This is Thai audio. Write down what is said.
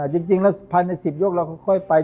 จริงแล้วภายใน๑๐ยกเราค่อยไป